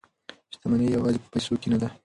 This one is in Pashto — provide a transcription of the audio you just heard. شتمني یوازې په پیسو کې نه ده.